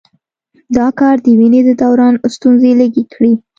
دا کار د وینې د دوران ستونزې لږې کړي.